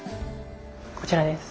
こちらです。